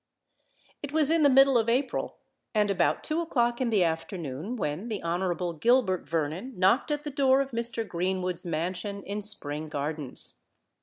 It was in the middle of April, and about two o'clock in the afternoon, when the Honourable Gilbert Vernon knocked at the door of Mr. Greenwood's mansion in Spring Gardens.